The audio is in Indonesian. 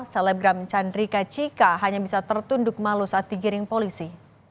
selebgram chandrika cika hanya bisa tertunduk malu saat digiring polisi